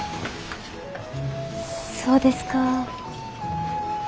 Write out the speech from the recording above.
そうですか。